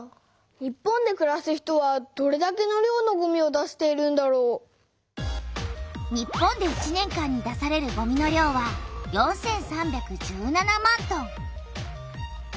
日本でくらす人はどれだけの量のごみを出しているんだろう？日本で１年間に出されるごみの量は４３１７万トン。